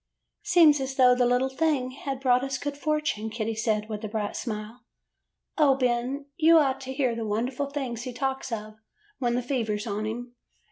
'' 'Seems as though the little thing had brought us good fortune,' Kitty said, with a bright smile. 'O, Ben, you ought to hear the wonderful things he talks of when the fever 's on him.